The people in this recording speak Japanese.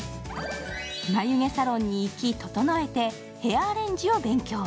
眉毛サロンに行き、整えてヘアアレンジを勉強。